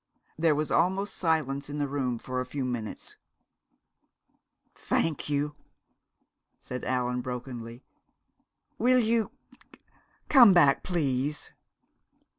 There was almost silence in the room for a few minutes. "Thank you," said Allan brokenly. "Will you come back, please?"